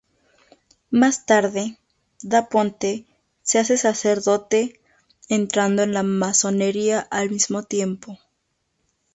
Más tarde Da Ponte se hace sacerdote entrando en la Masonería al mismo tiempo.